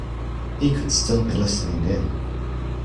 He could still be listening in.